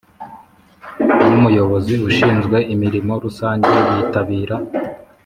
N umuyobozi ushinzwe imirimo rusange bitabira